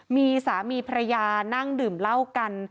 มีสามีภรรยานั่งดื่มเหล้ากัน